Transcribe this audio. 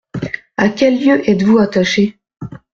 À quel lieu êtes-vous attaché ?